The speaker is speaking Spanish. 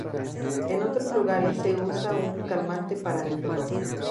En otros lugares se usa como un calmante para el dolor.